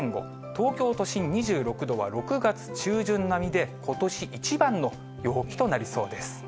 東京都心２６度は６月中旬並みで、ことし一番の陽気となりそうです。